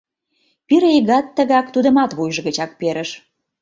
Пире игат тыгак тудымат вуйжо гычак перыш.